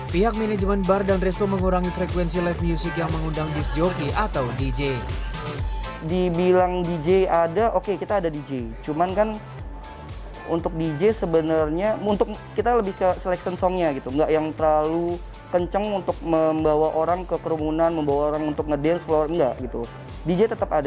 pihak manajemen bar dan resto mengurangi frekuensi live music yang mengundang disc jockey atau dj